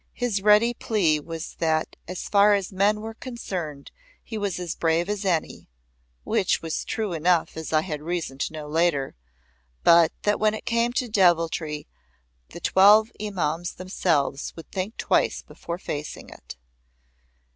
His ready plea was that as far as men were concerned he was as brave as any (which was true enough as I had reason to know later) but that when it came to devilry the Twelve Imaums themselves would think twice before facing it.